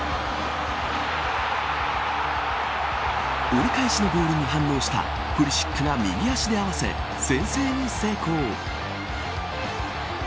折り返しのボールに反応したプリシックが右足で合わせ先制に成功。